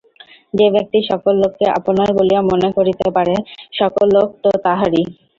যে ব্যক্তি সকল লোককে আপনার বলিয়া মনে করিতে পারে সকল লোক তো তাহারই।